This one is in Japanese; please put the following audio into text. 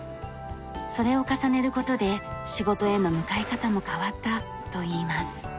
それを重ねる事で仕事への向かい方も変わったと言います。